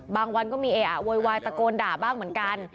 วันก็มีเออะโวยวายตะโกนด่าบ้างเหมือนกัน